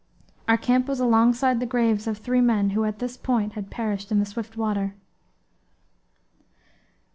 Our camp was alongside the graves of three men who at this point had perished in the swift water.